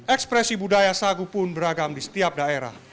ekspresi budaya sagu pun beragam di setiap daerah